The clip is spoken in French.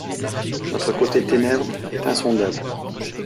Notre côté ténèbres est insondable.